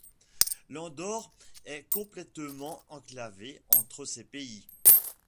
L'Andorre est complètement enclavé entre ces pays.